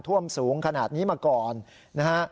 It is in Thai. ท่วมสูงขนาดนี้มาก่อนนะฮะ